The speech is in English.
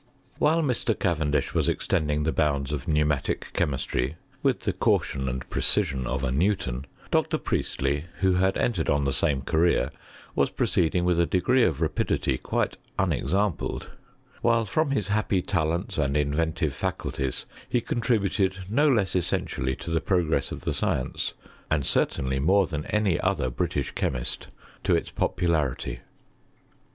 While Mr. Cavendish was extending the bounds of pneumatic chemistry, with the caution and precision of a Newton, Dr. Priestley, who had entered on the same career, was proceeding with a degree pf rapidity quite unexampled ; while from his happy talents and inventive faculties, he con tributed no less essentially to the progress of the science, and certainly more than any other British chemist to its popularity.